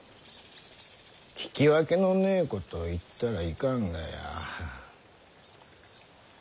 聞き分けのねえことを言ったらいかんがや。